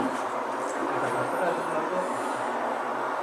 Eta pastela ez duzulako dastatu.